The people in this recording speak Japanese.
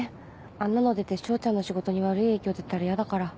あんなの出て彰ちゃんの仕事に悪い影響出たら嫌だから。